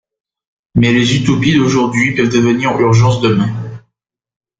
Mais les utopies d’aujourd’hui peuvent devenir urgences demain.